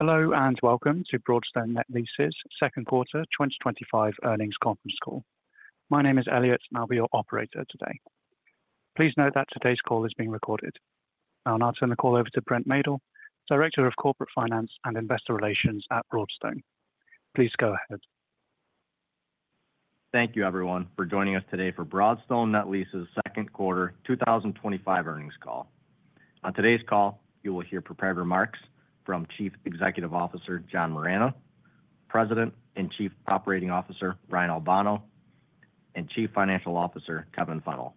Hello and welcome to Broadstone Net Lease's second quarter 2025 earnings conference call. My name is Elliot, and I'll be your operator today. Please note that today's call is being recorded. Now, I'll turn the call over to Brent Maedl, Director of Corporate Finance and Investor Relations at Broadstone. Please go ahead. Thank you, everyone, for joining us today for Broadstone Net Lease's second quarter 2025 earnings call. On today's call, you will hear prepared remarks from Chief Executive Officer John Moragne, President and Chief Operating Officer Ryan Albano, and Chief Financial Officer Kevin Fennell.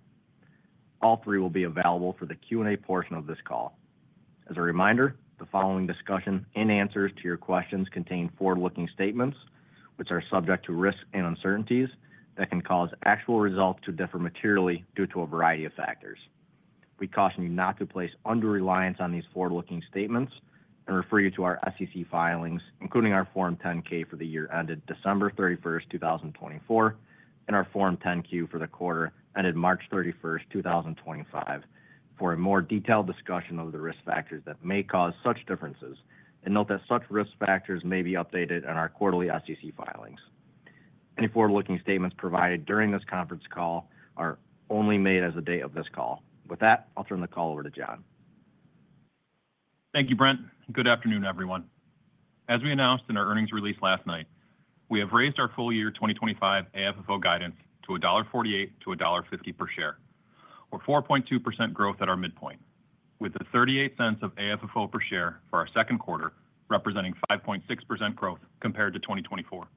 All three will be available for the Q&A portion of this call. As a reminder, the following discussion and answers to your questions contain forward-looking statements, which are subject to risks and uncertainties that can cause actual results to differ materially due to a variety of factors. We caution you not to place undue reliance on these forward-looking statements and refer you to our SEC filings, including our Form 10-K for the year ended December 31, 2024, and our Form 10-Q for the quarter ended March 31, 2025, for a more detailed discussion of the risk factors that may cause such differences. Note that such risk factors may be updated in our quarterly SEC filings. Any forward-looking statements provided during this conference call are only made as of the date of this call. With that, I'll turn the call over to John. Thank you, Brent. Good afternoon, everyone. As we announced in our earnings release last night, we have raised our full-year 2025 AFFO guidance to $1.48-$1.50 per share, or 4.2% growth at our midpoint, with $0.38 of AFFO per share for our second quarter, representing 5.6% growth compared to 2024.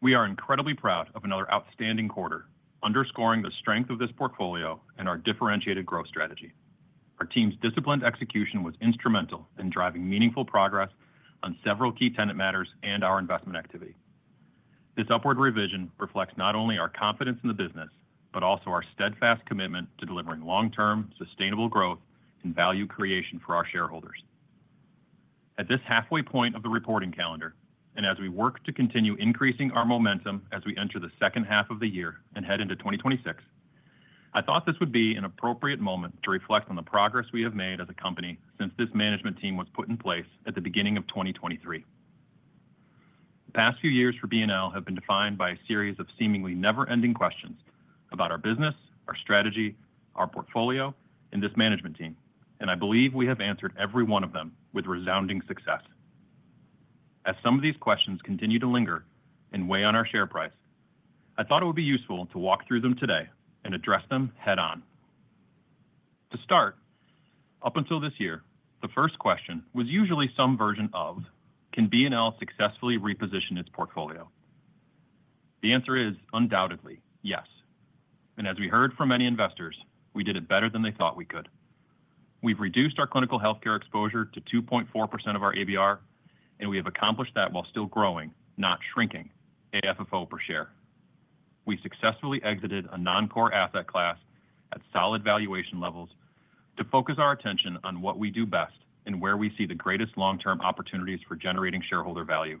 We are incredibly proud of another outstanding quarter, underscoring the strength of this portfolio and our differentiated growth strategy. Our team's disciplined execution was instrumental in driving meaningful progress on several key tenant matters and our investment activity. This upward revision reflects not only our confidence in the business, but also our steadfast commitment to delivering long-term, sustainable growth and value creation for our shareholders. At this halfway point of the reporting calendar, and as we work to continue increasing our momentum as we enter the second half of the year and head into 2026, I thought this would be an appropriate moment to reflect on the progress we have made as a company since this management team was put in place at the beginning of 2023. The past few years for BNL have been defined by a series of seemingly never-ending questions about our business, our strategy, our portfolio, and this management team, and I believe we have answered every one of them with resounding success. As some of these questions continue to linger and weigh on our share price, I thought it would be useful to walk through them today and address them head-on. To start, up until this year, the first question was usually some version of, "Can BNL successfully reposition its portfolio?" The answer is, undoubtedly, yes. As we heard from many investors, we did it better than they thought we could. We've reduced our clinical healthcare exposure to 2.4% of our ABR, and we have accomplished that while still growing, not shrinking, AFFO per share. We successfully exited a non-core asset class at solid valuation levels to focus our attention on what we do best and where we see the greatest long-term opportunities for generating shareholder value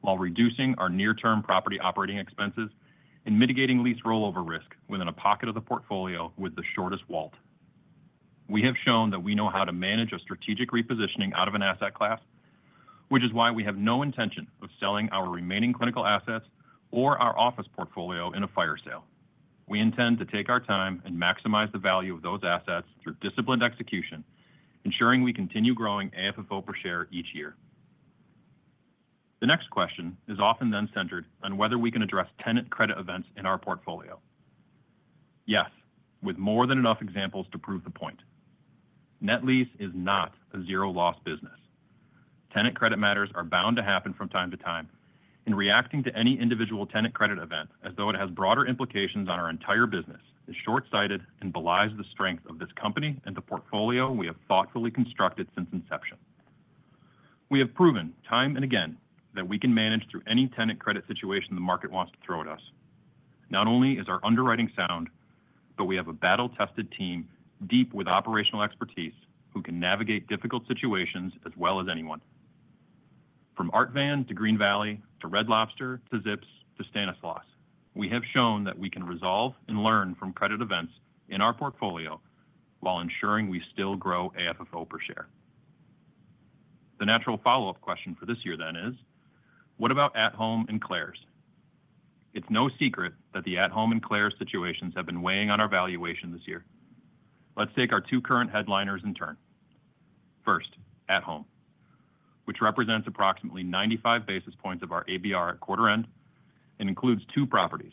while reducing our near-term property operating expenses and mitigating lease rollover risk within a pocket of the portfolio with the shortest wallet. We have shown that we know how to manage a strategic repositioning out of an asset class, which is why we have no intention of selling our remaining clinical assets or our office portfolio in a fire sale. We intend to take our time and maximize the value of those assets through disciplined execution, ensuring we continue growing AFFO per share each year. The next question is often then centered on whether we can address tenant credit events in our portfolio. Yes, with more than enough examples to prove the point. Net lease is not a zero-loss business. Tenant credit matters are bound to happen from time to time, and reacting to any individual tenant credit event as though it has broader implications on our entire business is shortsighted and belies the strength of this company and the portfolio we have thoughtfully constructed since inception. We have proven time and again that we can manage through any tenant credit situation the market wants to throw at us. Not only is our underwriting sound, but we have a battle-tested team deep with operational expertise who can navigate difficult situations as well as anyone. From Art Van to Green Valley to Red Lobster to Zips Car Wash to Stanislaus Surgical, we have shown that we can resolve and learn from credit events in our portfolio while ensuring we still grow AFFO per share. The natural follow-up question for this year then is, what about at-home and Claire's? It's no secret that the at-home and Claire's situations have been weighing on our valuation this year. Let's take our two current headliners in turn. First, at-home, which represents approximately 95 basis points of our ABR at quarter end and includes two properties: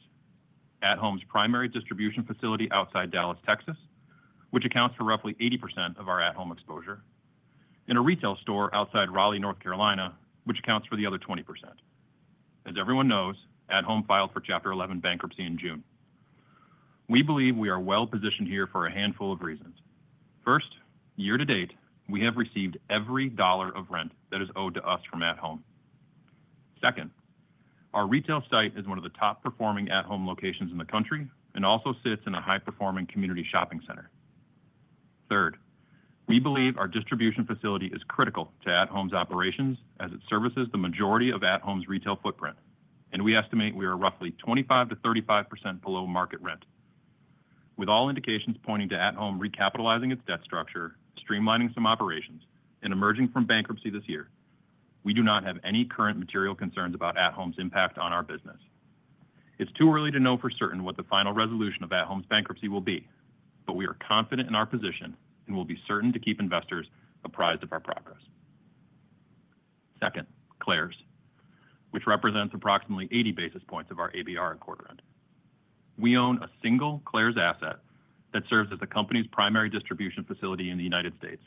at-home's primary distribution facility outside Dallas, Texas, which accounts for roughly 80% of our at-home exposure, and a retail store outside Raleigh, North Carolina, which accounts for the other 20%. As everyone knows, at-home filed for Chapter 11 bankruptcy in June. We believe we are well positioned here for a handful of reasons. First, year-to-date, we have received every dollar of rent that is owed to us from at-home. Second, our retail site is one of the top performing at-home locations in the country and also sits in a high performing community shopping center. Third, we believe our distribution facility is critical to at-home's operations as it services the majority of at-home's retail footprint, and we estimate we are roughly 25%-35% below market rent. With all indications pointing to at-home recapitalizing its debt structure, streamlining some operations, and emerging from bankruptcy this year, we do not have any current material concerns about at-home's impact on our business. It's too early to know for certain what the final resolution of at-home's bankruptcy will be, but we are confident in our position and will be certain to keep investors apprised of our progress. Second, Claire's, which represents approximately 80 basis points of our ABR at quarter end. We own a single Claire's asset that serves as the company's primary distribution facility in the United States,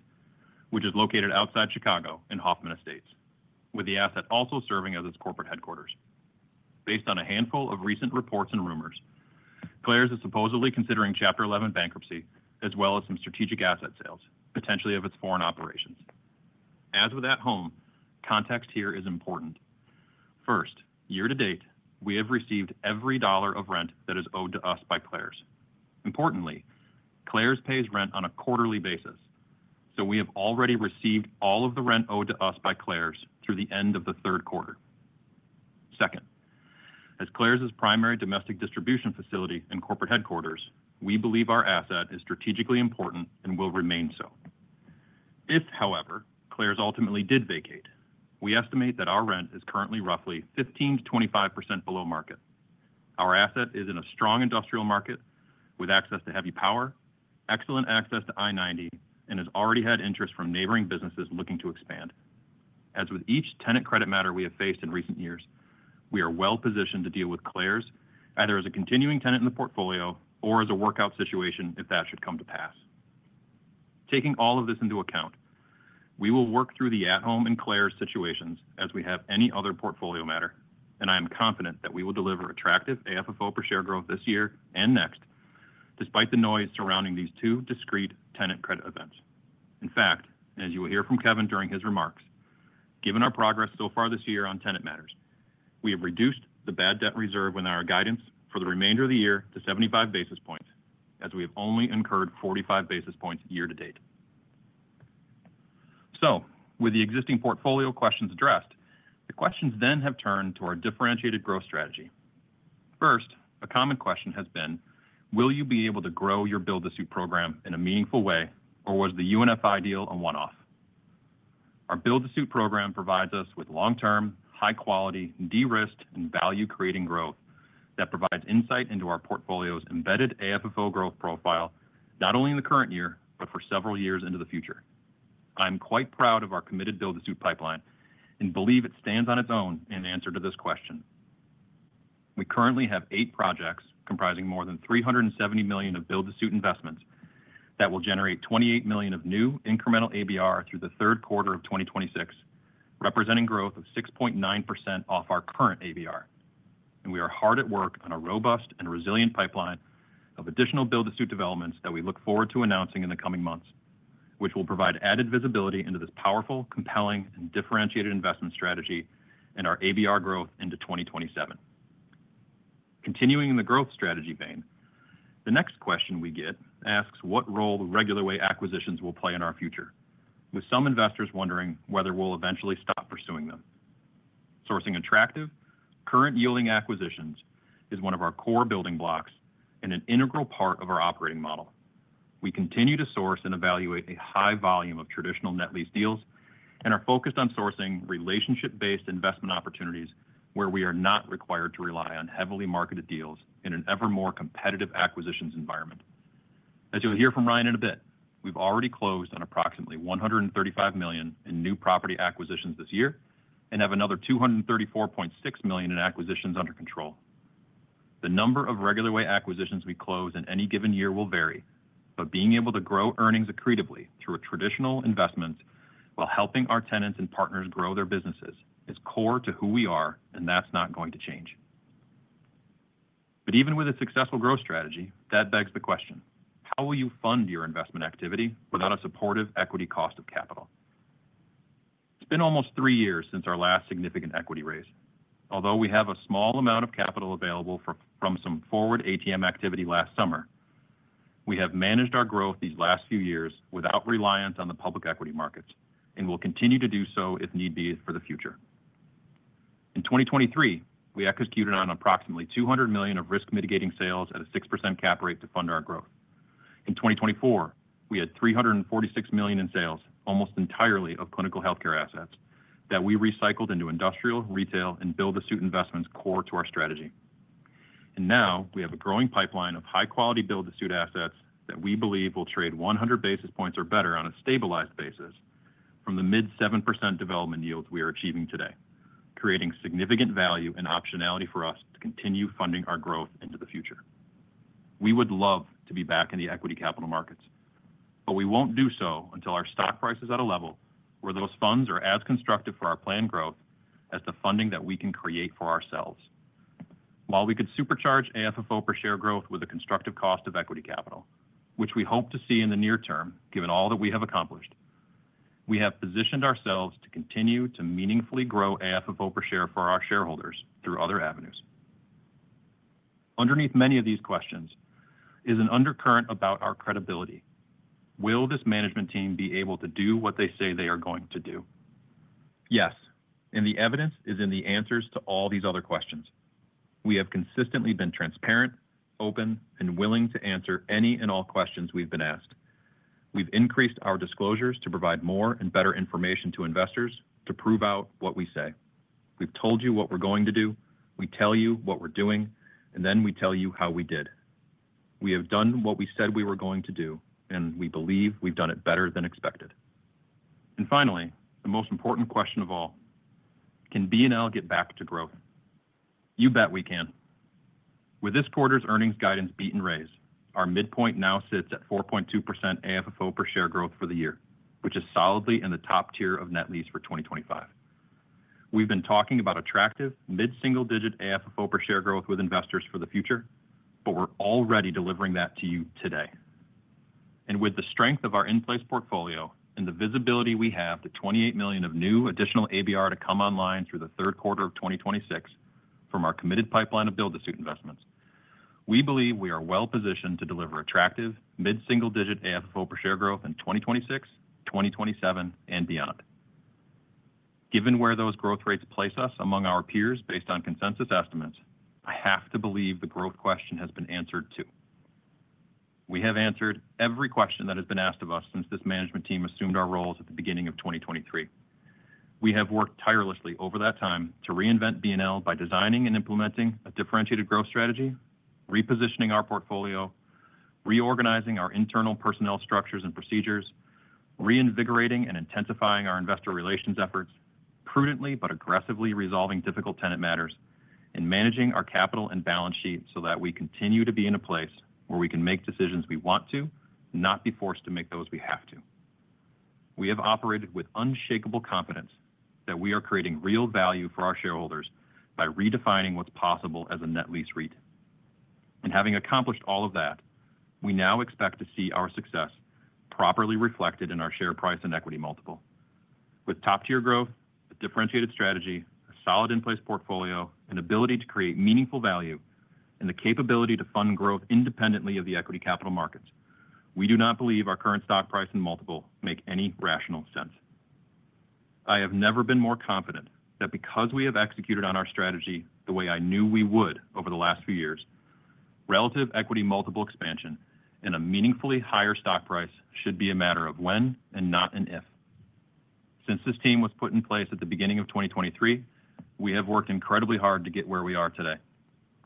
which is located outside Chicago in Hoffman Estates, with the asset also serving as its corporate headquarters. Based on a handful of recent reports and rumors, Claire's is supposedly considering Chapter 11 bankruptcy as well as some strategic asset sales, potentially of its foreign operations. As with at-home, context here is important. First, year-to-date, we have received every dollar of rent that is owed to us by Claire's. Importantly, Claire's pays rent on a quarterly basis, so we have already received all of the rent owed to us by Claire's through the end of the third quarter. Second, as Claire's primary domestic distribution facility and corporate headquarters, we believe our asset is strategically important and will remain so. If, however, Claire's ultimately did vacate, we estimate that our rent is currently roughly 15%-25% below market. Our asset is in a strong industrial market with access to heavy power, excellent access to I-90, and has already had interest from neighboring businesses looking to expand. As with each tenant credit matter we have faced in recent years, we are well positioned to deal with Claire's either as a continuing tenant in the portfolio or as a workout situation if that should come to pass. Taking all of this into account, we will work through the at-home and Claire's situations as we have any other portfolio matter, and I am confident that we will deliver attractive AFFO per share growth this year and next, despite the noise surrounding these two discrete tenant credit events. In fact, as you will hear from Kevin during his remarks, given our progress so far this year on tenant matters, we have reduced the bad debt reserve in our guidance for the remainder of the year to 75 basis points, as we have only incurred 45 basis points year-to-date. With the existing portfolio questions addressed, the questions then have turned to our differentiated growth strategy. First, a common question has been, will you be able to grow your build-to-suit developments program in a meaningful way, or was the UNFI deal a one-off? Our build-to-suit program provides us with long-term, high-quality, de-risked, and value-creating growth that provides insight into our portfolio's embedded AFFO growth profile, not only in the current year, but for several years into the future. I am quite proud of our committed build-to-suit pipeline and believe it stands on its own in answer to this question. We currently have eight projects comprising more than $370 million of build-to-suit investments that will generate $28 million of new incremental ABR through the third quarter of 2026, representing growth of 6.9% off our current ABR. We are hard at work on a robust and resilient pipeline of additional build-to-suit developments that we look forward to announcing in the coming months, which will provide added visibility into this powerful, compelling, and differentiated investment strategy and our ABR growth into 2027. Continuing in the growth strategy vein, the next question we get asks what role the regular way acquisitions will play in our future, with some investors wondering whether we'll eventually stop pursuing them. Sourcing attractive, current yielding acquisitions is one of our core building blocks and an integral part of our operating model. We continue to source and evaluate a high volume of traditional net lease deals and are focused on sourcing relationship-based investment opportunities where we are not required to rely on heavily marketed deals in an ever more competitive acquisitions environment. As you'll hear from Ryan in a bit, we've already closed on approximately $135 million in new property acquisitions this year and have another $234.6 million in acquisitions under control. The number of regular way acquisitions we close in any given year will vary, but being able to grow earnings accretively through a traditional investment while helping our tenants and partners grow their businesses is core to who we are, and that's not going to change. Even with a successful growth strategy, that begs the question, how will you fund your investment activity without a supportive equity cost of capital? It's been almost three years since our last significant equity raise. Although we have a small amount of capital available from some forward ATM activity last summer, we have managed our growth these last few years without reliance on the public equity markets and will continue to do so if need be for the future. In 2023, we executed on approximately $200 million of risk-mitigating sales at a 6% cap rate to fund our growth. In 2024, we had $346 million in sales, almost entirely of clinical healthcare assets that we recycled into industrial, retail, and build-to-suit investments core to our strategy. Now we have a growing pipeline of high-quality build-to-suit assets that we believe will trade 100 basis points or better on a stabilized basis from the mid-7% development yields we are achieving today, creating significant value and optionality for us to continue funding our growth into the future. We would love to be back in the equity capital markets, but we won't do so until our stock price is at a level where those funds are as constructive for our planned growth as the funding that we can create for ourselves. While we could supercharge AFFO per share growth with a constructive cost of equity capital, which we hope to see in the near term given all that we have accomplished, we have positioned ourselves to continue to meaningfully grow AFFO per share for our shareholders through other avenues. Underneath many of these questions is an undercurrent about our credibility. Will this management team be able to do what they say they are going to do? Yes, and the evidence is in the answers to all these other questions. We have consistently been transparent, open, and willing to answer any and all questions we've been asked. We've increased our disclosures to provide more and better information to investors to prove out what we say. We've told you what we're going to do, we tell you what we're doing, and then we tell you how we did. We have done what we said we were going to do, and we believe we've done it better than expected. Finally, the most important question of all, can BNL get back to growth? You bet we can. With this quarter's earnings guidance beat and raise, our midpoint now sits at 4.2% AFFO per share growth for the year, which is solidly in the top tier of net lease for 2025. We've been talking about attractive, mid-single-digit AFFO per share growth with investors for the future, but we're already delivering that to you today. With the strength of our in-place portfolio and the visibility we have to $28 million of new additional ABR to come online through the third quarter of 2026 from our committed pipeline of build-to-suit investments, we believe we are well positioned to deliver attractive, mid-single-digit AFFO per share growth in 2026, 2027, and beyond. Given where those growth rates place us among our peers based on consensus estimates, I have to believe the growth question has been answered too. We have answered every question that has been asked of us since this management team assumed our roles at the beginning of 2023. We have worked tirelessly over that time to reinvent BNL by designing and implementing a differentiated growth strategy, repositioning our portfolio, reorganizing our internal personnel structures and procedures, reinvigorating and intensifying our investor relations efforts, prudently but aggressively resolving difficult tenant matters, and managing our capital and balance sheet so that we continue to be in a place where we can make decisions we want to, not be forced to make those we have to. We have operated with unshakable confidence that we are creating real value for our shareholders by redefining what's possible as a net lease REIT. Having accomplished all of that, we now expect to see our success properly reflected in our share price and equity multiple. With top-tier growth, a differentiated strategy, a solid in-place portfolio, an ability to create meaningful value, and the capability to fund growth independently of the equity capital markets, we do not believe our current stock price and multiple make any rational sense. I have never been more confident that because we have executed on our strategy the way I knew we would over the last few years, relative equity multiple expansion and a meaningfully higher stock price should be a matter of when and not an if. Since this team was put in place at the beginning of 2023, we have worked incredibly hard to get where we are today.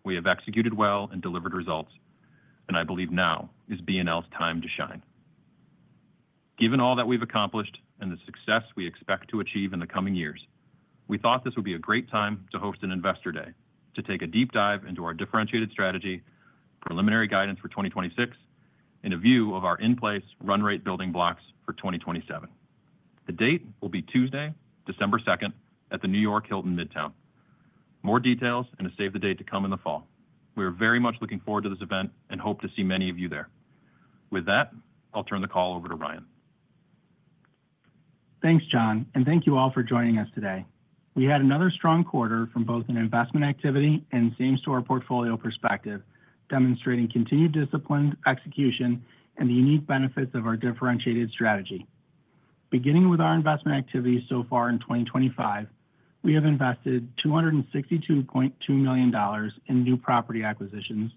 We have executed well and delivered results, and I believe now is BNL's time to shine. Given all that we've accomplished and the success we expect to achieve in the coming years, we thought this would be a great time to host an investor day, to take a deep dive into our differentiated strategy, preliminary guidance for 2026, and a view of our in-place run rate building blocks for 2027. The date will be Tuesday, December 2, at the New York Hilton Midtown. More details and a save the date to come in the fall. We are very much looking forward to this event and hope to see many of you there. With that, I'll turn the call over to Ryan. Thanks, John, and thank you all for joining us today. We had another strong quarter from both an investment activity and, it seems, to our portfolio perspective, demonstrating continued disciplined execution and the unique benefits of our differentiated strategy. Beginning with our investment activity so far in 2025, we have invested $262.2 million in new property acquisitions,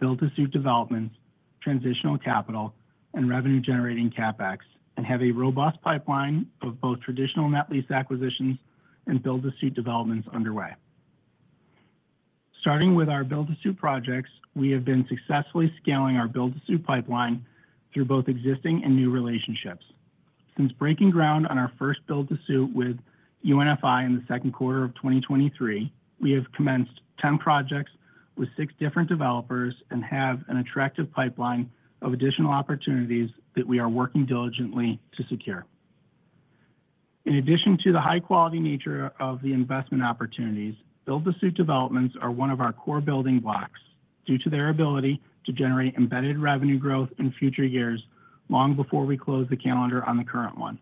build-to-suit developments, transitional capital, and revenue-generating CapEx, and have a robust pipeline of both traditional net lease acquisitions and build-to-suit developments underway. Starting with our build-to-suit projects, we have been successfully scaling our build-to-suit pipeline through both existing and new relationships. Since breaking ground on our first build-to-suit with UNFI in the second quarter of 2023, we have commenced 10 projects with six different developers and have an attractive pipeline of additional opportunities that we are working diligently to secure. In addition to the high-quality nature of the investment opportunities, build-to-suit developments are one of our core building blocks due to their ability to generate embedded revenue growth in future years long before we close the calendar on the current one.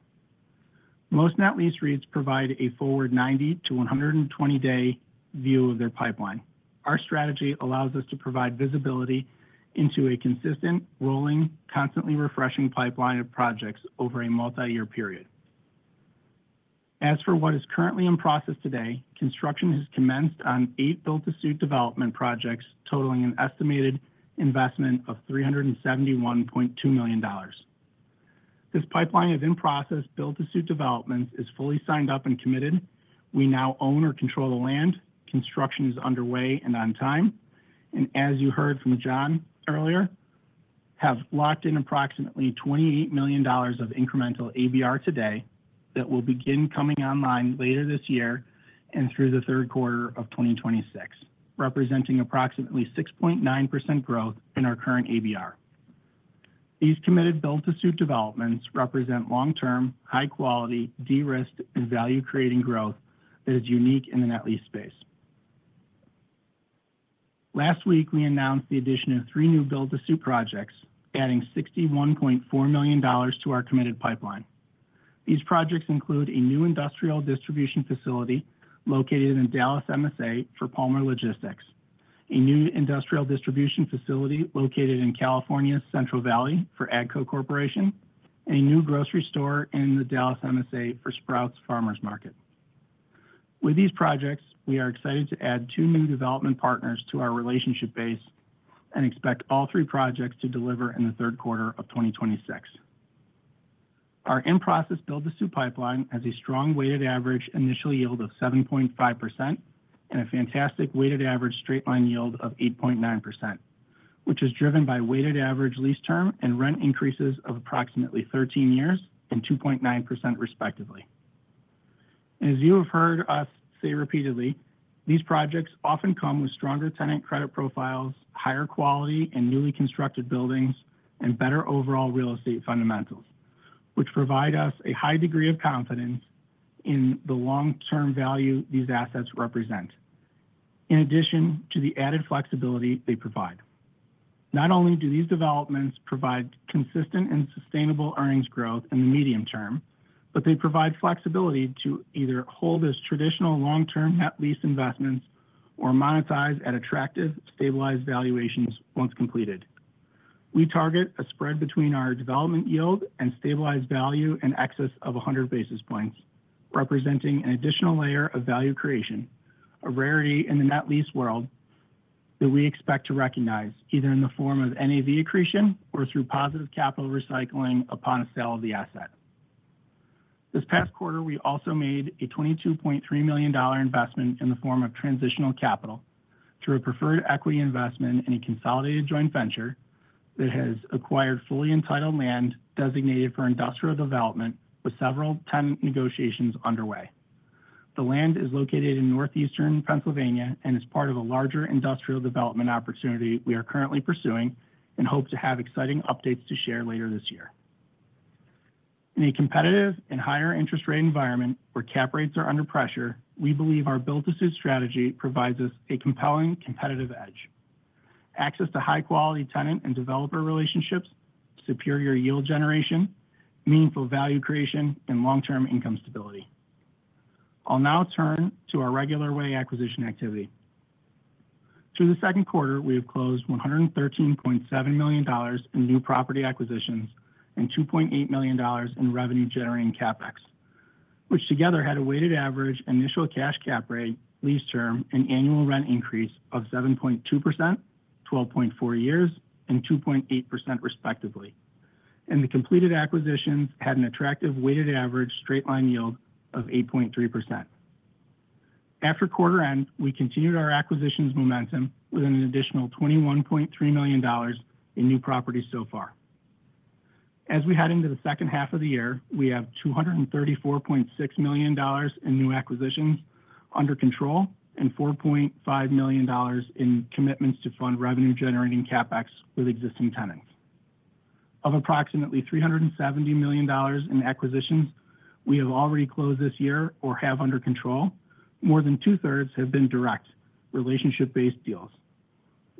Most net lease REITs provide a forward 90-120-day view of their pipeline. Our strategy allows us to provide visibility into a consistent, rolling, constantly refreshing pipeline of projects over a multi-year period. As for what is currently in process today, construction has commenced on eight build-to-suit development projects totaling an estimated investment of $371.2 million. This pipeline of in-process build-to-suit developments is fully signed up and committed. We now own or control the land. Construction is underway and on time. As you heard from John earlier, we have locked in approximately $28 million of incremental ABR today that will begin coming online later this year and through the third quarter of 2026, representing approximately 6.9% growth in our current ABR. These committed build-to-suit developments represent long-term, high-quality, de-risked, and value-creating growth that is unique in the net lease space. Last week, we announced the addition of three new build-to-suit projects, adding $61.4 million to our committed pipeline. These projects include a new industrial distribution facility located in Dallas MSA for Palmer Logistics, a new industrial distribution facility located in California's Central Valley for Agco Corporation, and a new grocery store in the Dallas MSA for Sprouts Farmers Market. With these projects, we are excited to add two new development partners to our relationship base and expect all three projects to deliver in the third quarter of 2026. Our in-process build-to-suit pipeline has a strong weighted average initial yield of 7.5% and a fantastic weighted average straight line yield of 8.9%, which is driven by weighted average lease term and rent increases of approximately 13 years and 2.9% respectively. As you have heard us say repeatedly, these projects often come with stronger tenant credit profiles, higher quality and newly constructed buildings, and better overall real estate fundamentals, which provide us a high degree of confidence in the long-term value these assets represent, in addition to the added flexibility they provide. Not only do these developments provide consistent and sustainable earnings growth in the medium term, but they provide flexibility to either hold as traditional long-term net lease investments or monetize at attractive, stabilized valuations once completed. We target a spread between our development yield and stabilized value in excess of 100 basis points, representing an additional layer of value creation, a rarity in the net lease world that we expect to recognize, either in the form of NAV accretion or through positive capital recycling upon a sale of the asset. This past quarter, we also made a $22.3 million investment in the form of transitional capital through a preferred equity investment in a consolidated joint venture that has acquired fully entitled land designated for industrial development with several tenant negotiations underway. The land is located in northeastern Pennsylvania and is part of a larger industrial development opportunity we are currently pursuing and hope to have exciting updates to share later this year. In a competitive and higher interest rate environment where cap rates are under pressure, we believe our build-to-suit strategy provides us a compelling competitive edge. Access to high-quality tenant and developer relationships, superior yield generation, meaningful value creation, and long-term income stability. I'll now turn to our regular way acquisition activity. Through the second quarter, we have closed $113.7 million in new property acquisitions and $2.8 million in revenue-generating CapEx, which together had a weighted average initial cash cap rate, lease term, and annual rent increase of 7.2%, 12.4 years, and 2.8% respectively. The completed acquisitions had an attractive weighted average straight line yield of 8.3%. After quarter end, we continued our acquisitions momentum with an additional $21.3 million in new properties so far. As we head into the second half of the year, we have $234.6 million in new acquisitions under control and $4.5 million in commitments to fund revenue-generating CapEx with existing tenants. Of approximately $370 million in acquisitions we have already closed this year or have under control, more than two-thirds have been direct relationship-based deals.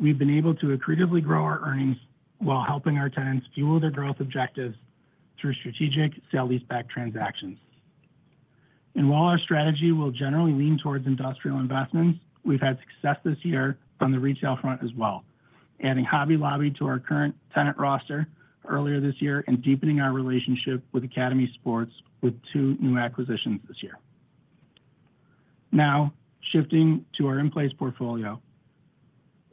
We've been able to accretively grow our earnings while helping our tenants fuel their growth objectives through strategic sale-lease-back transactions. While our strategy will generally lean towards industrial investments, we've had success this year on the retail front as well, adding Hobby Lobby to our current tenant roster earlier this year and deepening our relationship with Academy Sports with two new acquisitions this year. Now, shifting to our in-place portfolio,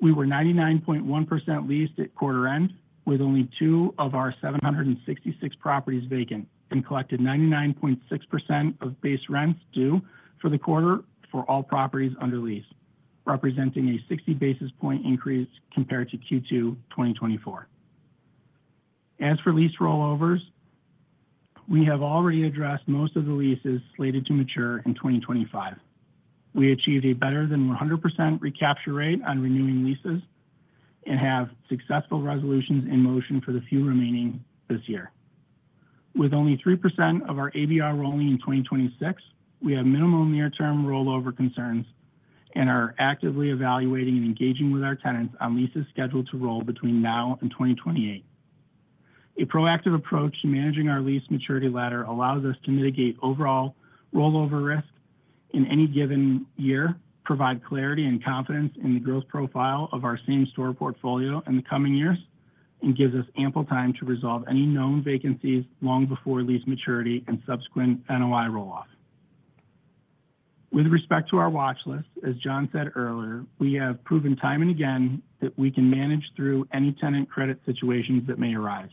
we were 99.1% leased at quarter end with only two of our 766 properties vacant and collected 99.6% of base rents due for the quarter for all properties under lease, representing a 60 basis point increase compared to Q2 2024. As for lease rollovers, we have already addressed most of the leases slated to mature in 2025. We achieved a better than 100% recapture rate on renewing leases and have successful resolutions in motion for the few remaining this year. With only 3% of our ABR rolling in 2026, we have minimal near-term rollover concerns and are actively evaluating and engaging with our tenants on leases scheduled to roll between now and 2028. A proactive approach to managing our lease maturity ladder allows us to mitigate overall rollover risk in any given year, provide clarity and confidence in the growth profile of our same-store portfolio in the coming years, and gives us ample time to resolve any known vacancies long before lease maturity and subsequent NOI rolloff. With respect to our watchlist, as John said earlier, we have proven time and again that we can manage through any tenant credit situations that may arise.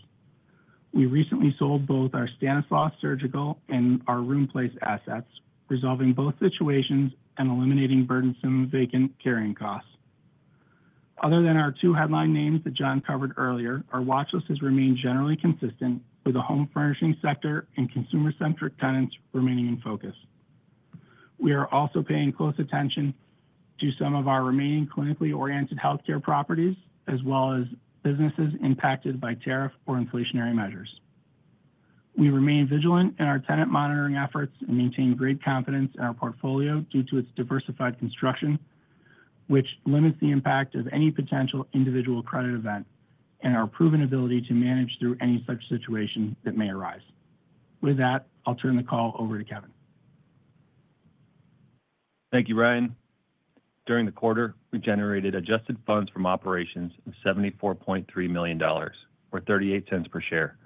We recently sold both our Stanislaus Surgical and our Room Place assets, resolving both situations and eliminating burdensome vacant carrying costs. Other than our two headline names that John covered earlier, our watchlist has remained generally consistent with the home furnishing sector and consumer-centric tenants remaining in focus. We are also paying close attention to some of our remaining clinically oriented healthcare properties, as well as businesses impacted by tariff or inflationary measures. We remain vigilant in our tenant monitoring efforts and maintain great confidence in our portfolio due to its diversified construction, which limits the impact of any potential individual credit event and our proven ability to manage through any such situation that may arise. With that, I'll turn the call over to Kevin. Thank you, Ryan. During the quarter, we generated adjusted funds from operations of $74.3 million or $0.38 per share,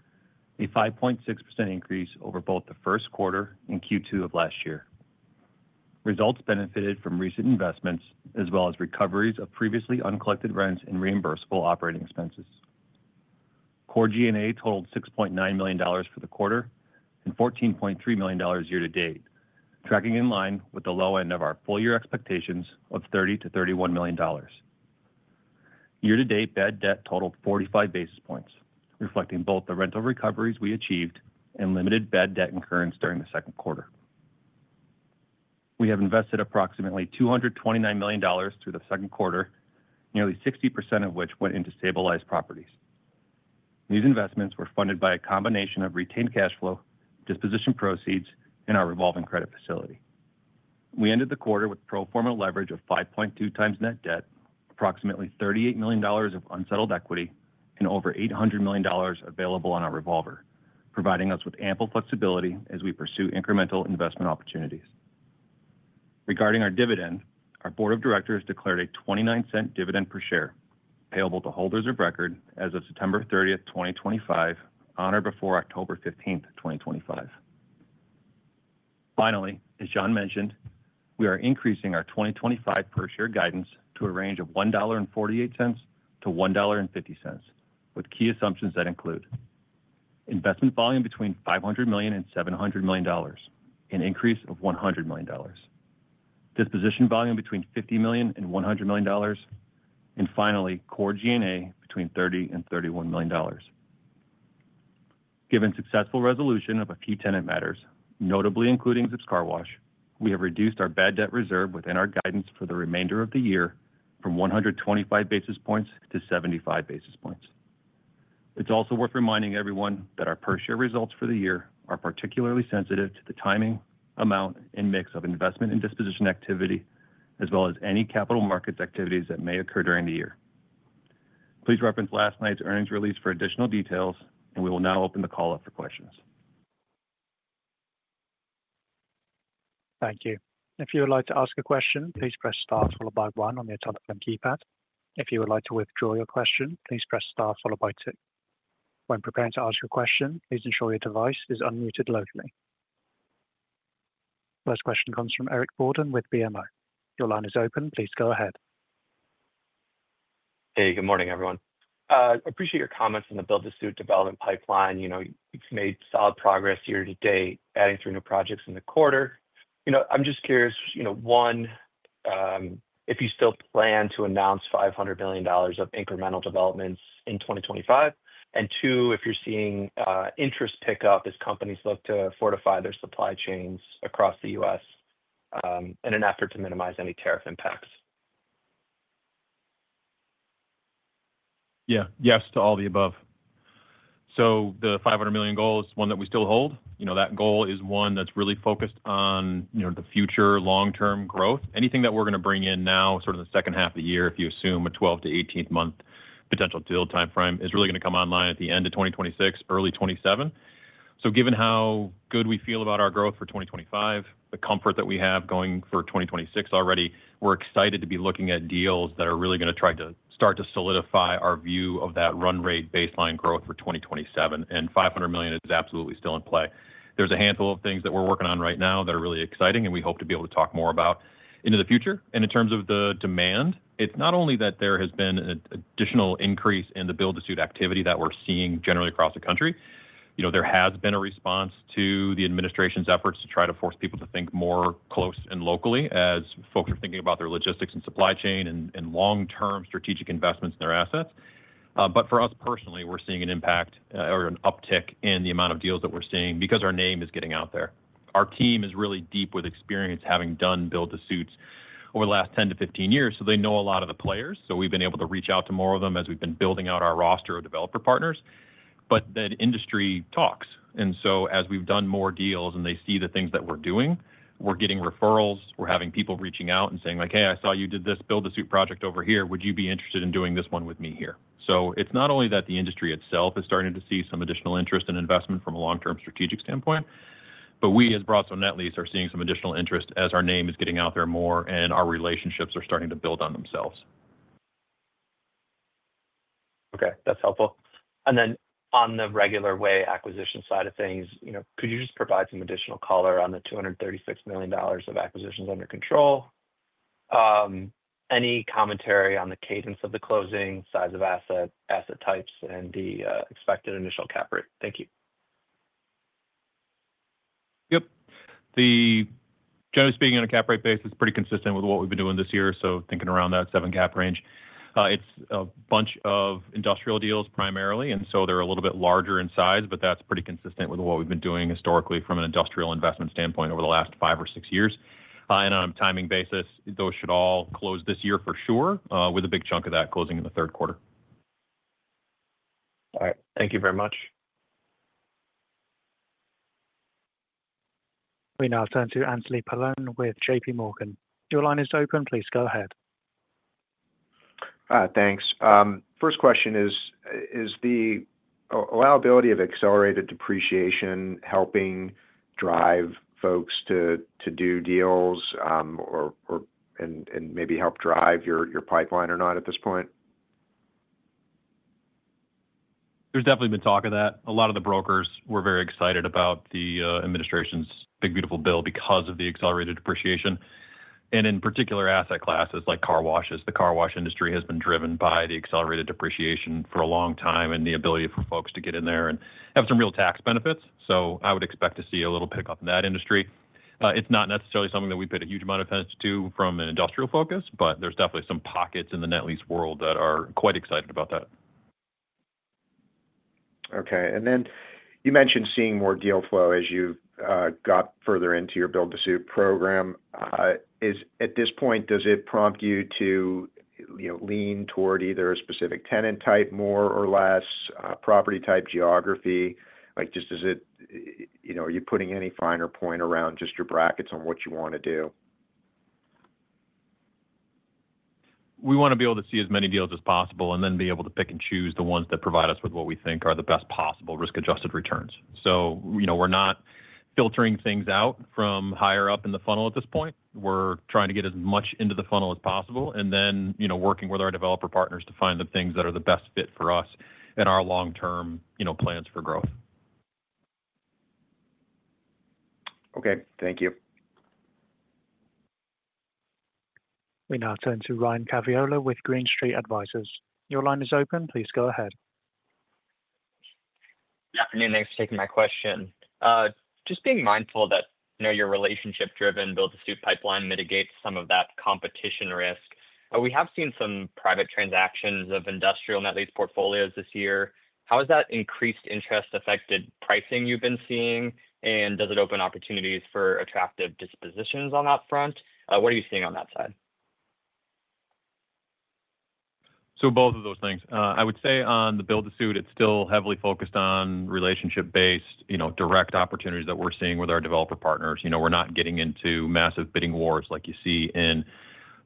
a 5.6% increase over both the first quarter and Q2 of last year. Results benefited from recent investments as well as recoveries of previously uncollected rents and reimbursable operating expenses. Core G&A totaled $6.9 million for the quarter and $14.3 million year-to-date, tracking in line with the low end of our full-year expectations of $30 million-$31 million. Year-to-date bad debt totaled 45 basis points, reflecting both the rental recoveries we achieved and limited bad debt incurrence during the second quarter. We have invested approximately $229 million through the second quarter, nearly 60% of which went into stabilized properties. These investments were funded by a combination of retained cash flow, disposition proceeds, and our revolving credit facility. We ended the quarter with pro forma leverage of 5.2x net debt, approximately $38 million of unsettled equity, and over $800 million available on our revolver, providing us with ample flexibility as we pursue incremental investment opportunities. Regarding our dividend, our Board of Directors declared a $0.29 dividend per share, payable to holders of record as of September 30, 2025, on or before October 15, 2025. Finally, as John mentioned, we are increasing our 2025 per share guidance to a range of $1.48-$1.50, with key assumptions that include investment volume between $500 million and $700 million, an increase of $100 million, disposition volume between $50 million and $100 million, and finally, core G&A between $30 and $31 million. Given successful resolution of a few tenant matters, notably including Zips Car Wash, we have reduced our bad debt reserve within our guidance for the remainder of the year from 125 basis points to 75 basis points. It's also worth reminding everyone that our per share results for the year are particularly sensitive to the timing, amount, and mix of investment and disposition activity, as well as any capital markets activities that may occur during the year. Please reference last night's earnings release for additional details, and we will now open the call up for questions. Thank you. If you would like to ask a question, please press star followed by one on your telephone keypad. If you would like to withdraw your question, please press star followed by two. When preparing to ask your question, please ensure your device is unmuted locally. First question comes from Eric Borden with BMO. Your line is open. Please go ahead. Hey, good morning everyone. I appreciate your comments on the build-to-suit development pipeline. You've made solid progress year-to-date, adding three new projects in the quarter. I'm just curious, one, if you still plan to announce $500 million of incremental developments in 2025, and two, if you're seeing interest pick up as companies look to fortify their supply chains across the U.S. in an effort to minimize any tariff impacts. Yeah, yes to all the above. The $500 million goal is one that we still hold. That goal is one that's really focused on the future long-term growth. Anything that we're going to bring in now, sort of the second half of the year, if you assume a 12-18 month potential deal timeframe, is really going to come online at the end of 2026, early 2027. Given how good we feel about our growth for 2025, the comfort that we have going for 2026 already, we're excited to be looking at deals that are really going to try to start to solidify our view of that run rate baseline growth for 2027, and $500 million is absolutely still in play. There's a handful of things that we're working on right now that are really exciting, and we hope to be able to talk more about into the future. In terms of the demand, it's not only that there has been an additional increase in the build-to-suit activity that we're seeing generally across the country. There has been a response to the administration's efforts to try to force people to think more close and locally as folks are thinking about their logistics and supply chain and long-term strategic investments in their assets. For us personally, we're seeing an impact or an uptick in the amount of deals that we're seeing because our name is getting out there. Our team is really deep with experience having done build-to-suits over the last 10-15 years, so they know a lot of the players. We've been able to reach out to more of them as we've been building out our roster of developer partners. The industry talks. As we've done more deals and they see the things that we're doing, we're getting referrals. We're having people reaching out and saying like, "Hey, I saw you did this build-to-suit project over here. Would you be interested in doing this one with me here?" It's not only that the industry itself is starting to see some additional interest in investment from a long-term strategic standpoint, but we as Broadstone Net Lease are seeing some additional interest as our name is getting out there more and our relationships are starting to build on themselves. Okay, that's helpful. On the regular way acquisition side of things, could you just provide some additional color on the $236 million of acquisitions under control? Any commentary on the cadence of the closing, size of asset, asset types, and the expected initial cap rate? Thank you. Generally speaking, on a cap rate basis, it's pretty consistent with what we've been doing this year. Thinking around that seven cap range, it's a bunch of industrial deals primarily, and they're a little bit larger in size, but that's pretty consistent with what we've been doing historically from an industrial investment standpoint over the last five or six years. On a timing basis, those should all close this year for sure, with a big chunk of that closing in the third quarter. All right, thank you very much. We now turn to Anthony Paolone with JPMorgan. Your line is open. Please go ahead. Thanks. First question is, is the allowability of accelerated depreciation helping drive folks to do deals or maybe help drive your pipeline or not at this point? There's definitely been talk of that. A lot of the brokers were very excited about the administration's big, beautiful bill because of the accelerated depreciation. In particular, asset classes like car washes, the car wash industry has been driven by the accelerated depreciation for a long time and the ability for folks to get in there and have some real tax benefits. I would expect to see a little pickup in that industry. It's not necessarily something that we've paid a huge amount of attention to from an industrial focus, but there are definitely some pockets in the net lease world that are quite excited about that. Okay, and then you mentioned seeing more deal flow as you got further into your build-to-suit program. At this point, does it prompt you to, you know, lean toward either a specific tenant type more or less, property type, geography? Like just is it, you know, are you putting any finer point around just your brackets on what you want to do? We want to be able to see as many deals as possible and then be able to pick and choose the ones that provide us with what we think are the best possible risk-adjusted returns. We're not filtering things out from higher up in the funnel at this point. We're trying to get as much into the funnel as possible and then working with our developer partners to find the things that are the best fit for us and our long-term plans for growth. Okay, thank you. We now turn to Ryan Caviola with Green Street Advisors. Your line is open. Please go ahead. Good afternoon. Thanks for taking my question. Just being mindful that, you know, your relationship-driven build-to-suit pipeline mitigates some of that competition risk. We have seen some private transactions of industrial net lease portfolios this year. How has that increased interest affected pricing you've been seeing, and does it open opportunities for attractive dispositions on that front? What are you seeing on that side? Both of those things. I would say on the build-to-suit, it's still heavily focused on relationship-based, you know, direct opportunities that we're seeing with our developer partners. We're not getting into massive bidding wars like you see in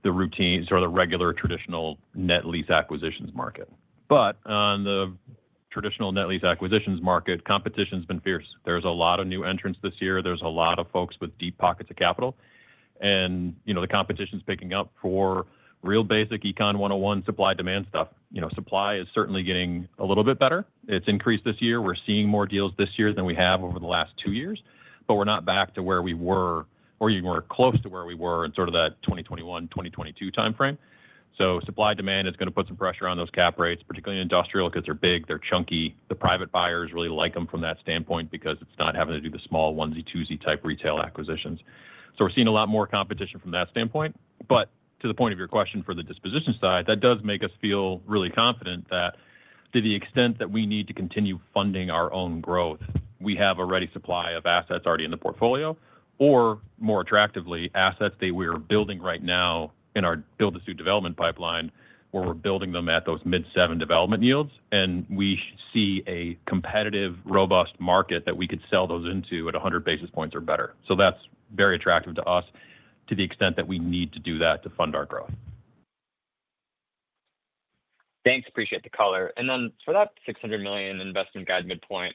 the routine, sort of the regular traditional net lease acquisitions market. On the traditional net lease acquisitions market, competition's been fierce. There's a lot of new entrants this year. There's a lot of folks with deep pockets of capital. The competition's picking up for real basic econ 101 supply-demand stuff. Supply is certainly getting a little bit better. It's increased this year. We're seeing more deals this year than we have over the last two years, but we're not back to where we were, or even close to where we were in that 2021-2022 timeframe. Supply-demand is going to put some pressure on those cap rates, particularly in industrial because they're big, they're chunky. The private buyers really like them from that standpoint because it's not having to do the small onesie-twosie type retail acquisitions. We're seeing a lot more competition from that standpoint. To the point of your question for the disposition side, that does make us feel really confident that to the extent that we need to continue funding our own growth, we have a ready supply of assets already in the portfolio, or more attractively, assets that we are building right now in our build-to-suit development pipeline where we're building them at those mid-7% development yields, and we see a competitive, robust market that we could sell those into at 100 basis points or better. That's very attractive to us to the extent that we need to do that to fund our growth. Thanks. Appreciate the color. For that $600 million investment guide, midpoint,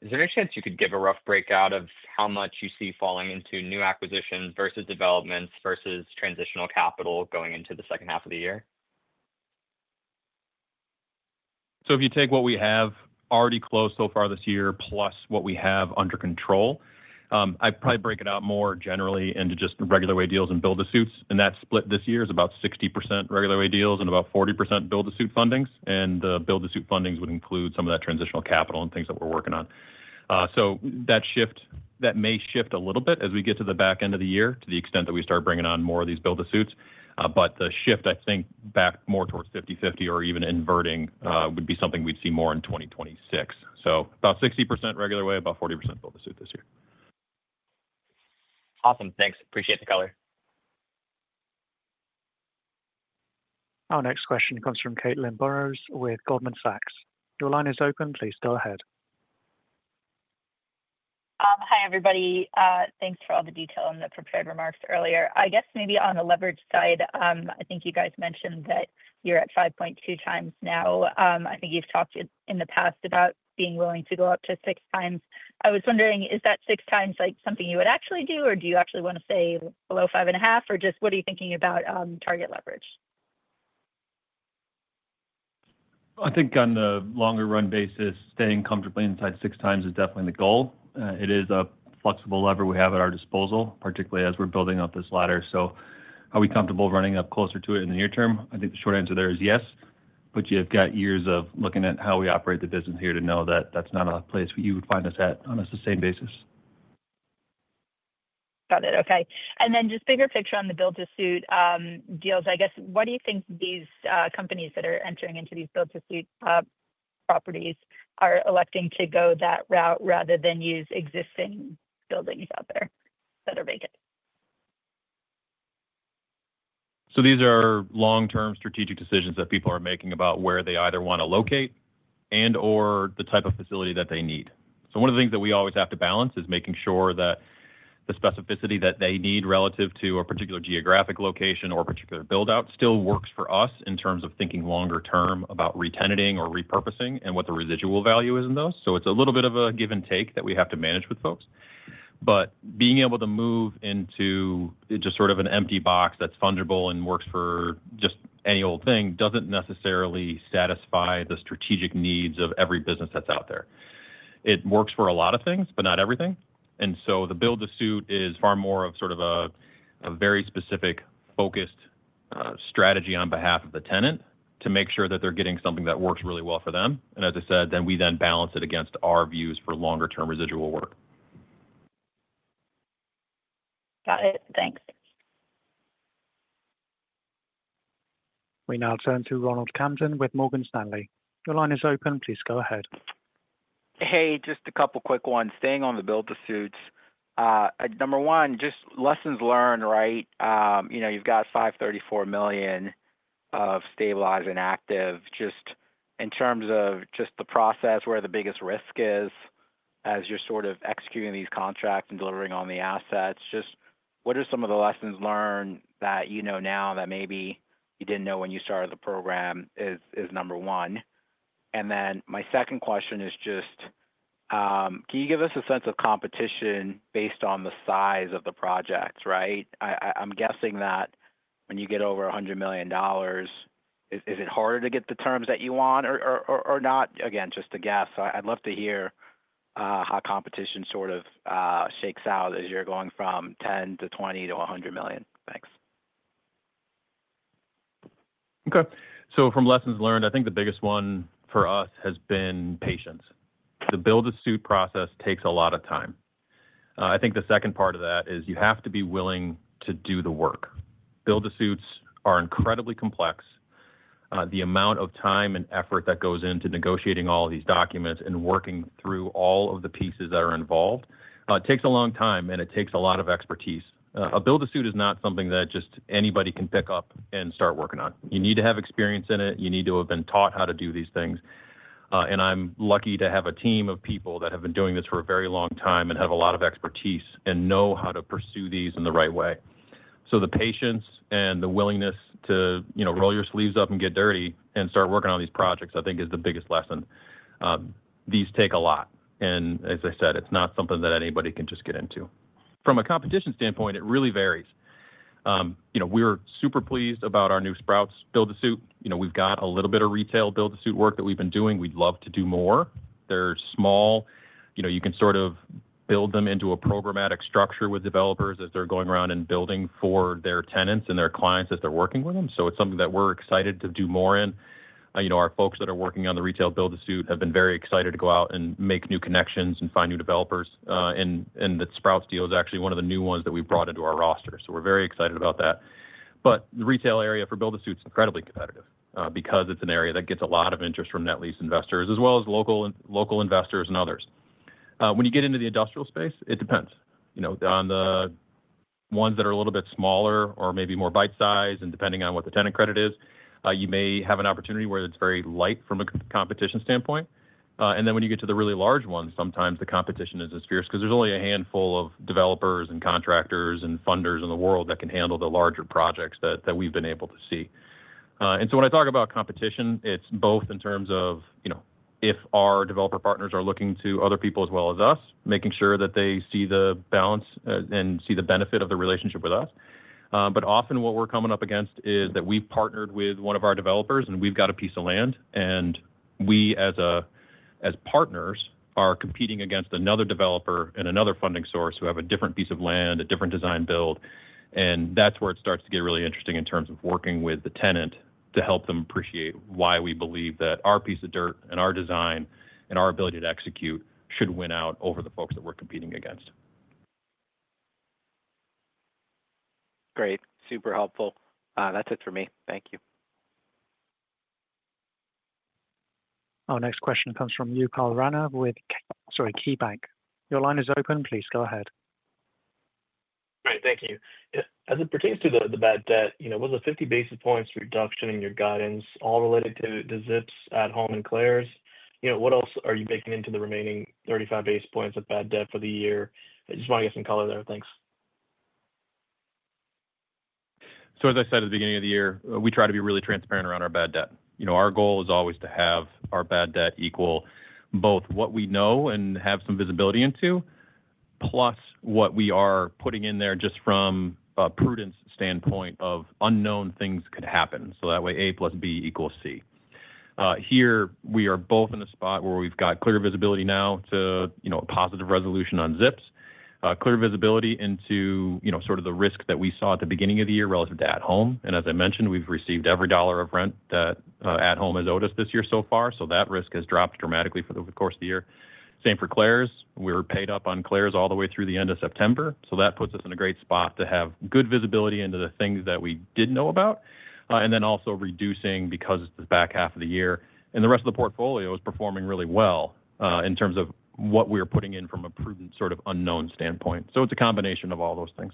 is there any chance you could give a rough breakout of how much you see falling into new acquisitions versus developments versus transitional capital going into the second half of the year? If you take what we have already closed so far this year, plus what we have under control, I'd probably break it out more generally into just the regular way deals and build-to-suit developments. That split this year is about 60% regular way deals and about 40% build-to-suit fundings. The build-to-suit fundings would include some of that transitional capital and things that we're working on. That may shift a little bit as we get to the back end of the year to the extent that we start bringing on more of these build-to-suit developments. The shift back more towards 50-50 or even inverting would be something we'd see more in 2026. About 60% regular way, about 40% build-to-suit this year. Awesome. Thanks. Appreciate the color. Our next question comes from Caitlin Burrows with Goldman Sachs. Your line is open. Please go ahead. Hi everybody. Thanks for all the detail and the prepared remarks earlier. I guess maybe on the leverage side, I think you guys mentioned that you're at 5.2x now. I think you've talked in the past about being willing to go up to 6x. I was wondering, is that 6x like something you would actually do, or do you actually want to stay below 5.5x, or just what are you thinking about target leverage? I think on the longer run basis, staying comfortably inside 6x is definitely the goal. It is a flexible lever we have at our disposal, particularly as we're building up this ladder. Are we comfortable running up closer to it in the near term? I think the short answer there is yes, but you've got years of looking at how we operate the business here to know that that's not a place where you would find us at on a sustained basis. Got it. Okay. Just bigger picture on the build-to-suit developments, I guess, what do you think these companies that are entering into these build-to-suit properties are electing to go that route rather than use existing buildings out there that are vacant? These are long-term strategic decisions that people are making about where they either want to locate and/or the type of facility that they need. One of the things that we always have to balance is making sure that the specificity that they need relative to a particular geographic location or a particular build-out still works for us in terms of thinking longer term about retenanting or repurposing and what the residual value is in those. It's a little bit of a give and take that we have to manage with folks. Being able to move into just sort of an empty box that's fungible and works for just any old thing doesn't necessarily satisfy the strategic needs of every business that's out there. It works for a lot of things, but not everything. The build-to-suit is far more of a very specific focused strategy on behalf of the tenant to make sure that they're getting something that works really well for them. As I said, we then balance it against our views for longer-term residual work. Got it. Thanks. We now turn to Ronald Kamdem with Morgan Stanley. Your line is open. Please go ahead. Hey, just a couple quick ones. Staying on the build-to-suit developments. Number one, just lessons learned, right? You know, you've got $534 million of stabilized and active. Just in terms of just the process, where the biggest risk is as you're sort of executing these contracts and delivering on the assets, just what are some of the lessons learned that you know now that maybe you didn't know when you started the program is number one. My second question is just, can you give us a sense of competition based on the size of the projects, right? I'm guessing that when you get over $100 million, is it harder to get the terms that you want or not? Again, just a guess. I'd love to hear how competition sort of shakes out as you're going from $10 million to $20 million to $100 million. Thanks. Okay. So from lessons learned, I think the biggest one for us has been patience. The build-to-suit process takes a lot of time. I think the second part of that is you have to be willing to do the work. Build-to-suits are incredibly complex. The amount of time and effort that goes into negotiating all of these documents and working through all of the pieces that are involved takes a long time, and it takes a lot of expertise. A build-to-suit is not something that just anybody can pick up and start working on. You need to have experience in it. You need to have been taught how to do these things. I'm lucky to have a team of people that have been doing this for a very long time and have a lot of expertise and know how to pursue these in the right way. The patience and the willingness to, you know, roll your sleeves up and get dirty and start working on these projects, I think, is the biggest lesson. These take a lot. It's not something that anybody can just get into. From a competition standpoint, it really varies. We're super pleased about our new Sprouts build-to-suit. We've got a little bit of retail build-to-suit work that we've been doing. We'd love to do more. They're small. You can sort of build them into a programmatic structure with developers as they're going around and building for their tenants and their clients as they're working with them. It's something that we're excited to do more in. Our folks that are working on the retail build-to-suit have been very excited to go out and make new connections and find new developers. The Sprouts deal is actually one of the new ones that we've brought into our roster. We're very excited about that. The retail area for build-to-suit is incredibly competitive because it's an area that gets a lot of interest from net lease investors as well as local investors and others. When you get into the industrial space, it depends. On the ones that are a little bit smaller or maybe more bite-size, and depending on what the tenant credit is, you may have an opportunity where it's very light from a competition standpoint. When you get to the really large ones, sometimes the competition is as fierce because there's only a handful of developers and contractors and funders in the world that can handle the larger projects that we've been able to see. When I talk about competition, it's both in terms of, you know, if our developer partners are looking to other people as well as us, making sure that they see the balance and see the benefit of the relationship with us. Often what we're coming up against is that we've partnered with one of our developers and we've got a piece of land and we as partners are competing against another developer and another funding source who have a different piece of land, a different design build. That's where it starts to get really interesting in terms of working with the tenant to help them appreciate why we believe that our piece of dirt and our design and our ability to execute should win out over the folks that we're competing against. Great. Super helpful. That's it for me. Thank you. Our next question comes from Upal Rana with KeyBanc. Your line is open. Please go ahead. Great. Thank you. As it pertains to the bad debt, you know, was a 50 basis points reduction in your guidance all related to Zips, at-home, and Claire's? You know, what else are you making into the remaining 35 basis points of bad debt for the year? I just want to get some color there. Thanks. As I said at the beginning of the year, we try to be really transparent around our bad debt. Our goal is always to have our bad debt equal both what we know and have some visibility into, plus what we are putting in there just from a prudence standpoint of unknown things could happen. That way, A plus B equals C. Here, we are both in a spot where we've got clear visibility now to a positive resolution on Zips, clear visibility into the risk that we saw at the beginning of the year relative to at-home. As I mentioned, we've received every dollar of rent that at-home has owed us this year so far. That risk has dropped dramatically for the course of the year. Same for Claire's. We're paid up on Claire's all the way through the end of September. That puts us in a great spot to have good visibility into the things that we didn't know about, and also reducing because it's the back half of the year. The rest of the portfolio is performing really well in terms of what we are putting in from a prudent sort of unknown standpoint. It's a combination of all those things.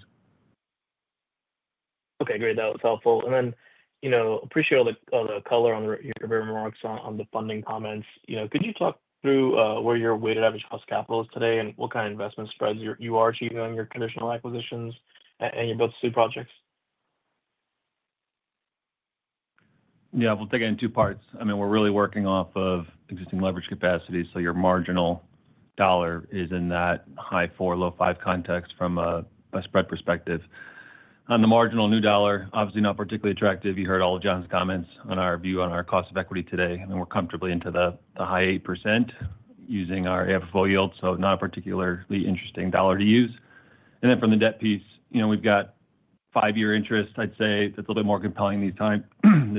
Okay, great. That was helpful. I appreciate all the color on your remarks on the funding comments. Could you talk through where your weighted average cost of capital is today and what kind of investment spreads you are achieving on your traditional acquisitions and your build-to-suit developments? Yeah, we'll take it in two parts. I mean, we're really working off of existing leverage capacity. Your marginal dollar is in that high four, low five context from a spread perspective. On the marginal new dollar, obviously not particularly attractive. You heard all of John's comments on our view on our cost of equity today. I mean, we're comfortably into the high 8% using our AFFO yield. Not a particularly interesting dollar to use. From the debt piece, we've got five-year interest, I'd say, that's a little bit more compelling this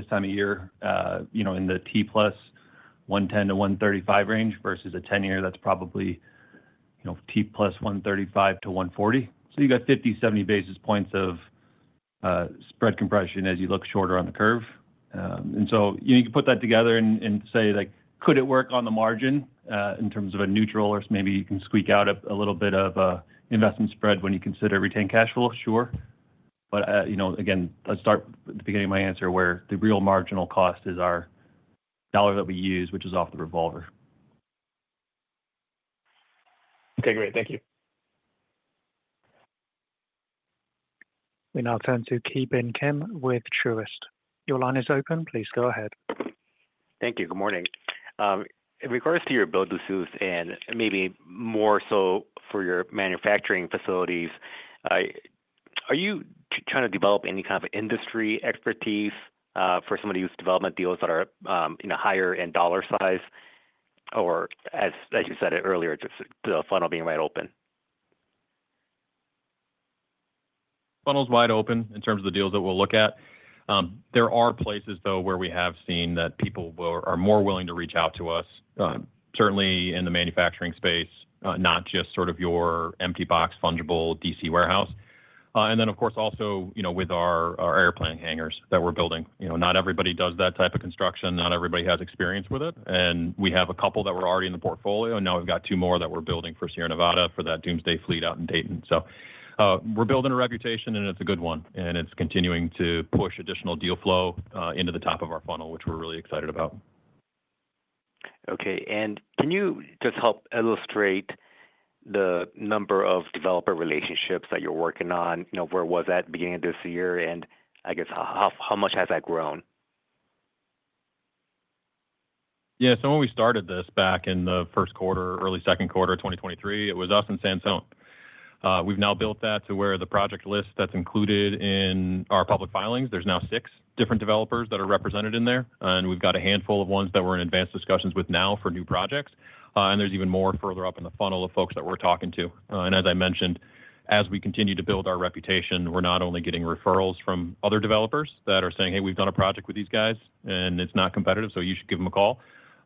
time of year, in the T plus 110-135 range versus a 10-year that's probably T plus 135-140. You've got 50, 70 basis points of spread compression as you look shorter on the curve. You can put that together and say like, could it work on the margin in terms of a neutral or maybe you can squeak out a little bit of an investment spread when you consider retained cash flow? Sure. Again, let's start at the beginning of my answer where the real marginal cost is our dollar that we use, which is off the revolver. Okay, great. Thank you. We now turn to Ki Bin Kim with Truist. Your line is open. Please go ahead. Thank you. Good morning. In regards to your build-to-suit developments and maybe more so for your manufacturing facilities, are you trying to develop any kind of industry expertise for some of these development deals that are, you know, higher in dollar size, or, as you said earlier, just the funnel being wide open? Funnel's wide open in terms of the deals that we'll look at. There are places, though, where we have seen that people are more willing to reach out to us, certainly in the manufacturing space, not just sort of your empty box fungible DC warehouse. Of course, also, with our airplane hangars that we're building, not everybody does that type of construction. Not everybody has experience with it. We have a couple that were already in the portfolio, and now we've got two more that we're building for Sierra Nevada for that doomsday fleet out in Dayton. We're building a reputation, and it's a good one. It's continuing to push additional deal flow into the top of our funnel, which we're really excited about. Okay. Can you just help illustrate the number of developer relationships that you're working on? Where was that at the beginning of this year, and I guess how much has that grown? Yeah. When we started this back in the first quarter, early second quarter of 2023, it was us and Sam Stone. We've now built that to where the project list that's included in our public filings, there's now six different developers that are represented in there. We've got a handful of ones that we're in advanced discussions with now for new projects. There's even more further up in the funnel of folks that we're talking to. As I mentioned, as we continue to build our reputation, we're not only getting referrals from other developers that are saying, "Hey, we've done a project with these guys, and it's not competitive, so you should give them a call."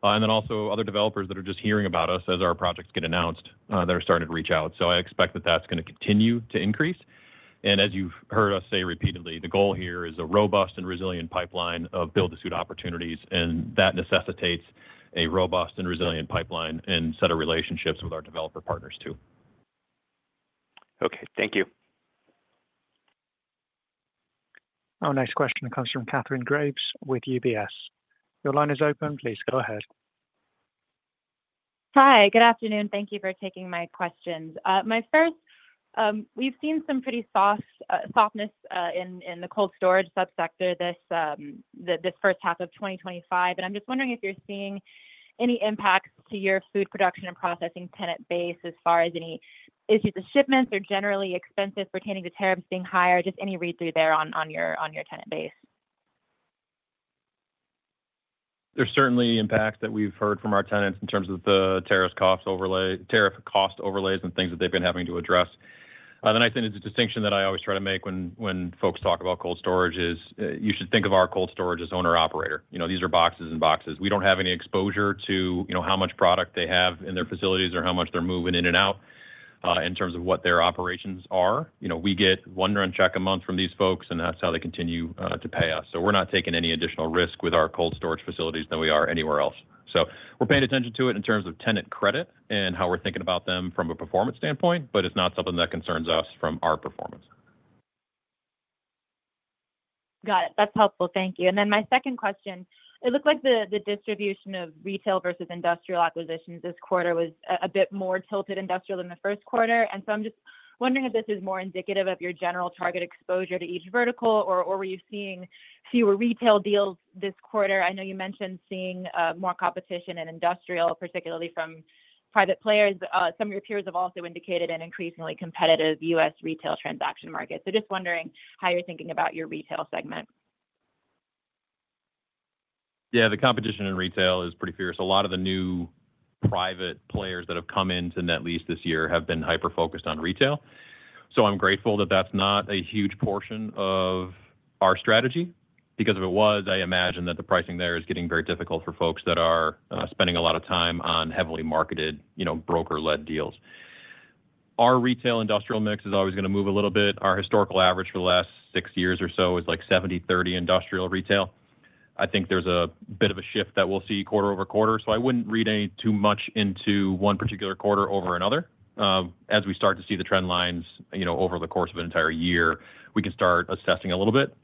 Also, other developers that are just hearing about us as our projects get announced are starting to reach out. I expect that that's going to continue to increase. As you've heard us say repeatedly, the goal here is a robust and resilient pipeline of build-to-suit developments. That necessitates a robust and resilient pipeline and set of relationships with our developer partners too. Okay, thank you. Our next question comes from Kathryn Graves with UBS. Your line is open. Please go ahead. Hi. Good afternoon. Thank you for taking my questions. My first, we've seen some pretty softness in the cold storage subsector this first half of 2025. I'm just wondering if you're seeing any impacts to your food production and processing tenant base as far as any issues with shipments or generally expenses pertaining to tariffs being higher, just any read through there on your tenant base. are certainly impacts that we've heard from our tenants in terms of the tariff cost overlays and things that they've been having to address. The nice thing is the distinction that I always try to make when folks talk about cold storage is you should think of our cold storage as owner-operator. These are boxes and boxes. We don't have any exposure to how much product they have in their facilities or how much they're moving in and out in terms of what their operations are. We get one rent check a month from these folks, and that's how they continue to pay us. We're not taking any additional risk with our cold storage facilities than we are anywhere else. We're paying attention to it in terms of tenant credit and how we're thinking about them from a performance standpoint, but it's not something that concerns us from our performance. Got it. That's helpful. Thank you. My second question, it looked like the distribution of retail versus industrial acquisitions this quarter was a bit more tilted industrial than the first quarter. I'm just wondering if this is more indicative of your general target exposure to each vertical, or were you seeing fewer retail deals this quarter? I know you mentioned seeing more competition in industrial, particularly from private players. Some of your peers have also indicated an increasingly competitive U.S. retail transaction market. I'm just wondering how you're thinking about your retail segment. Yeah, the competition in retail is pretty fierce. A lot of the new private players that have come into net lease this year have been hyper-focused on retail. I'm grateful that that's not a huge portion of our strategy, because if it was, I imagine that the pricing there is getting very difficult for folks that are spending a lot of time on heavily marketed, you know, broker-led deals. Our retail industrial mix is always going to move a little bit. Our historical average for the last six years or so is like 70/30 industrial retail. I think there's a bit of a shift that we'll see quarter-over-quarter. I wouldn't read any too much into one particular quarter over another. As we start to see the trend lines, you know, over the course of an entire year, we can start assessing a little bit.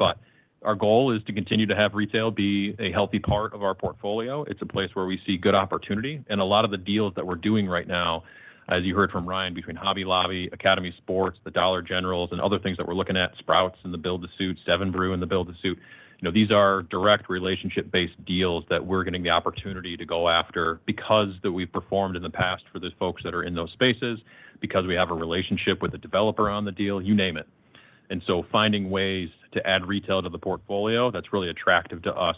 Our goal is to continue to have retail be a healthy part of our portfolio. It's a place where we see good opportunity. A lot of the deals that we're doing right now, as you heard from Ryan, between Hobby Lobby, Academy Sports, the Dollar Generals, and other things that we're looking at, Sprouts and the build-to-suit, Seven Brew and the build-to-suit, you know, these are direct relationship-based deals that we're getting the opportunity to go after because we've performed in the past for the folks that are in those spaces, because we have a relationship with the developer on the deal, you name it. Finding ways to add retail to the portfolio that's really attractive to us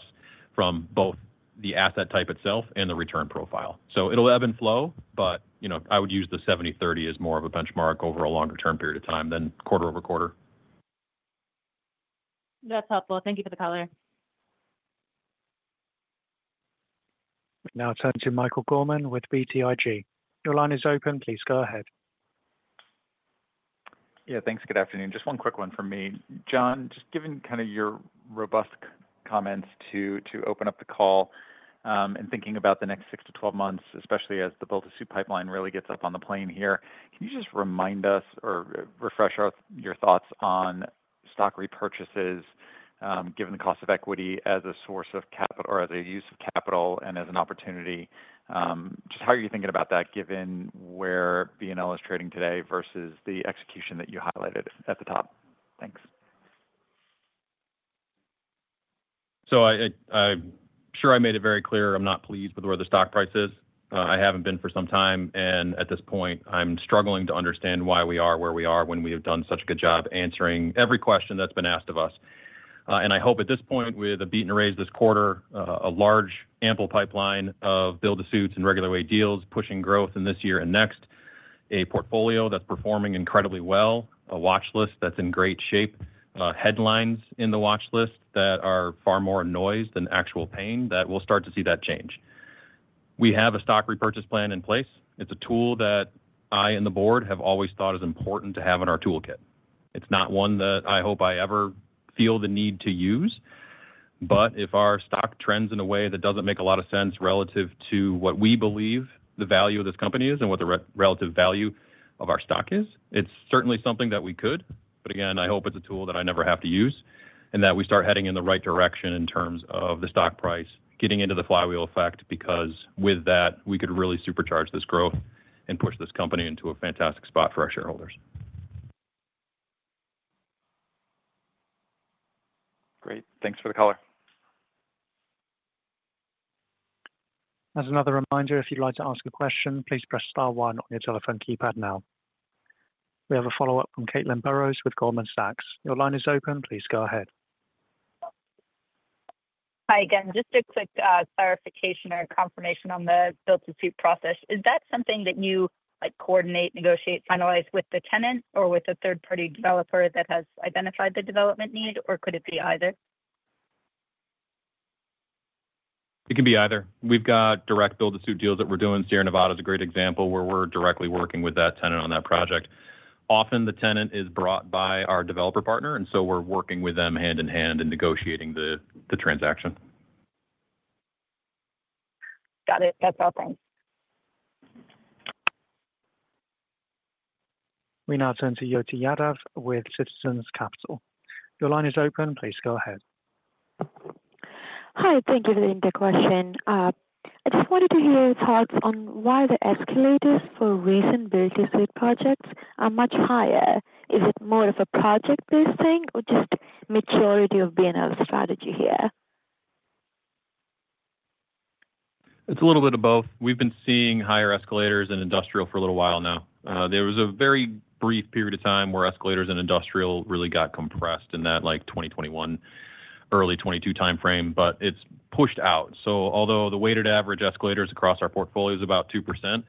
from both the asset type itself and the return profile. It'll ebb and flow, but you know, I would use the 70/30 as more of a benchmark over a longer term period of time than quarter-over-quarter. That's helpful. Thank you for the color. We now turn to Michael Gorman with BTIG. Your line is open. Please go ahead. Yeah, thanks. Good afternoon. Just one quick one from me. John, just given kind of your robust comments to open up the call and thinking about the next 6-12 months, especially as the build-to-suit pipeline really gets up on the plane here, can you just remind us or refresh your thoughts on stock repurchases, given the cost of equity as a source of capital or as a use of capital and as an opportunity? Just how are you thinking about that given where BNL is trading today versus the execution that you highlighted at the top? Thanks. I'm sure I made it very clear I'm not pleased with where the stock price is. I haven't been for some time, and at this point, I'm struggling to understand why we are where we are when we have done such a good job answering every question that's been asked of us. I hope at this point, with a beat and a raise this quarter, a large ample pipeline of build-to-suit developments and regular way deals pushing growth in this year and next, a portfolio that's performing incredibly well, a watchlist that's in great shape, headlines in the watchlist that are far more noise than actual pain, that we'll start to see that change. We have a stock repurchase plan in place. It's a tool that I and the board have always thought is important to have in our toolkit. It's not one that I hope I ever feel the need to use, but if our stock trends in a way that doesn't make a lot of sense relative to what we believe the value of this company is and what the relative value of our stock is, it's certainly something that we could, but again, I hope it's a tool that I never have to use and that we start heading in the right direction in terms of the stock price, getting into the flywheel effect, because with that, we could really supercharge this growth and push this company into a fantastic spot for our shareholders. Great. Thanks for the color. As another reminder, if you'd like to ask a question, please press star one on your telephone keypad now. We have a follow-up from Caitlin Burrows with Goldman Sachs. Your line is open. Please go ahead. Hi again. Just a quick clarification or confirmation on the build-to-suit process. Is that something that you coordinate, negotiate, finalize with the tenant or with a third-party developer that has identified the development need, or could it be either? It can be either. We've got direct build-to-suit deals that we're doing. Sierra Nevada is a great example where we're directly working with that tenant on that project. Often, the tenant is brought by our developer partner, and we're working with them hand in hand in negotiating the transaction. Got it. That's helpful. We now turn to Jyoti Yadav with Citizens Capital. Your line is open. Please go ahead. Hi. Thank you for the question. I just wanted to hear your thoughts on why the escalators for recent build-to-suit developments are much higher. Is it more of a project-based thing or just maturity of BNL's strategy here? It's a little bit of both. We've been seeing higher escalators in industrial for a little while now. There was a very brief period of time where escalators in industrial really got compressed in that 2021, early 2022 timeframe, but it's pushed out. Although the weighted average escalators across our portfolio is about 2%,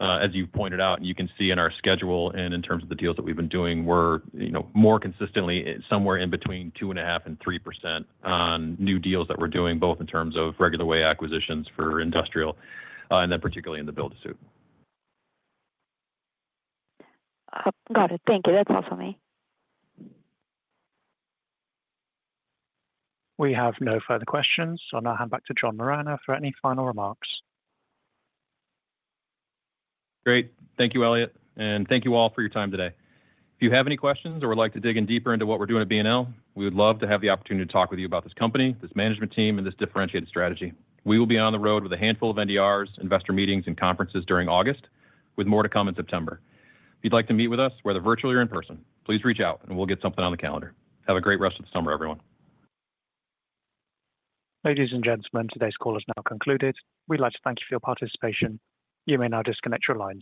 as you've pointed out, and you can see in our schedule and in terms of the deals that we've been doing, we're more consistently somewhere in between 2.5% and 3% on new deals that we're doing, both in terms of regular way acquisitions for industrial and then particularly in the build-to-suit developments. Got it. Thank you. That's all for me. We have no further questions, so I'll now hand back to John Moragne for any final remarks. Great. Thank you, Elliot. Thank you all for your time today. If you have any questions or would like to dig in deeper into what we're doing at BNL, we would love to have the opportunity to talk with you about this company, this management team, and this differentiated strategy. We will be on the road with a handful of NDRs, investor meetings, and conferences during August, with more to come in September. If you'd like to meet with us, whether virtually or in person, please reach out and we'll get something on the calendar. Have a great rest of the summer, everyone. Ladies and gentlemen, today's call is now concluded. We'd like to thank you for your participation. You may now disconnect your lines.